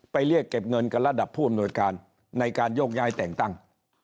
เรียกเก็บเงินกับระดับผู้อำนวยการในการโยกย้ายแต่งตั้ง